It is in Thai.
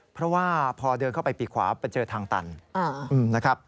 เพราะว่าพอเดินเข้าไปปีกขวาไปเจอทางตันนะครับ